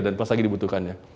dan pas lagi dibutuhkannya